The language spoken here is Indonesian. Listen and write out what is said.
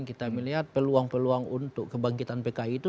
kita melihat peluang peluang untuk kebangkitan pki itu